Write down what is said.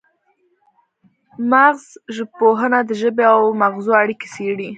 مغزژبپوهنه د ژبې او مغزو اړیکې څیړي